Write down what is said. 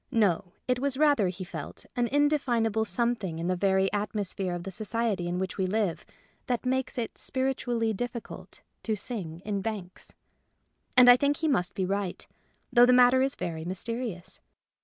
No ; it was rather, he felt, an indefinable something in [io8] The Little Birds Who Won't Sing the very atmosphere of the society in which we live that makes it spiritually difficult to sing in banks. And I think he must be right ; though the matter is very mysterious.